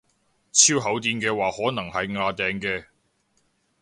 超厚墊嘅話可能係掗掟嘅